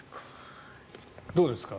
どうですか？